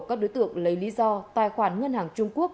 các đối tượng lấy lý do tài khoản ngân hàng trung quốc